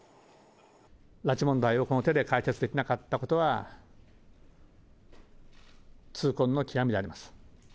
拉致問題をこの手で解決できなかったことは、痛恨の極みであります。